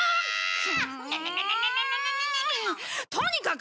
とにかく！